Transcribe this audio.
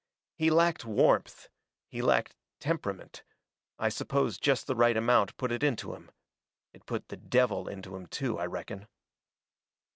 He lacked warmth he lacked temperament. I suppose just the right amount put it into him. It put the devil into him, too, I reckon.